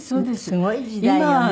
すごい時代よね。